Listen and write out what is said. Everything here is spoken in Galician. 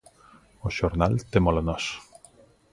O xornal témolo nós.